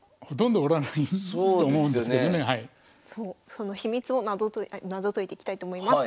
その秘密を謎解いていきたいと思います。